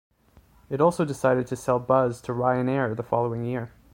It also decided to sell Buzz to Ryanair the following year.